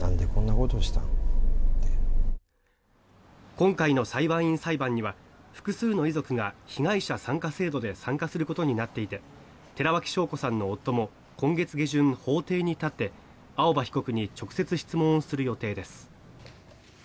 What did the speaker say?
今回の裁判員裁判には複数の遺族が被害者参加制度で参加することになっていて寺脇晶子さんの夫も今月下旬、法廷に立って青葉被告に直接質問する予定です。